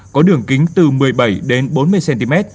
có đường kính từ một mươi bảy đến bốn mươi cm